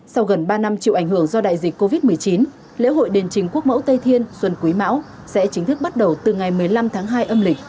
sau gần ba năm chịu ảnh hưởng do đại dịch covid một mươi chín lễ hội đền trình quốc mẫu tây thiên xuân quý mão sẽ chính thức bắt đầu từ ngày một mươi năm tháng hai âm lịch